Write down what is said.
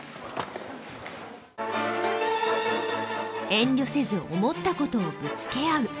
遠慮せず思ったことをぶつけ合う。